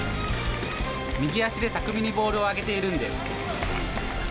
右足で巧みにボールを上げているんです。